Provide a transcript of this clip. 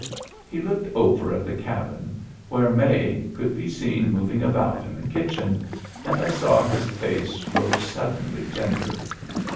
He looked over at the cabin, where May could be seen moving about in the kitchen, and I saw his face grow suddenly tender.